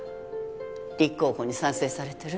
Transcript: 立候補に賛成されてる？